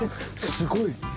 すごい。